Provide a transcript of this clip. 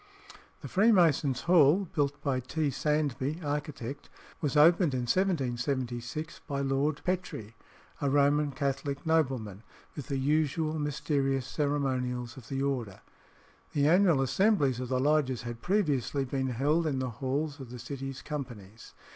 The Freemasons' Hall, built by T. Sandby, architect, was opened in 1776, by Lord Petre, a Roman Catholic nobleman, with the usual mysterious ceremonials of the order. The annual assemblies of the lodges had previously been held in the halls of the City's companies.